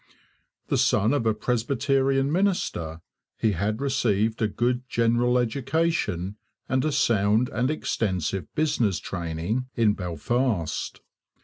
The son of a Presbyterian minister, he had received a good general education, and a sound and extensive business training in Belfast.